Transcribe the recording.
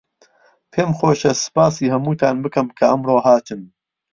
پێم خۆشە سپاسی هەمووتان بکەم کە ئەمڕۆ هاتن.